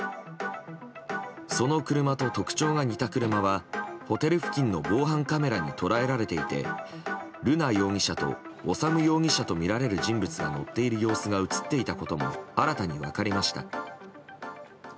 その車と特徴が似た車はホテル付近の防犯カメラに捉えられていて瑠奈容疑者と修容疑者とみられる人物が乗っている様子が映っていたことも新たに分かりました。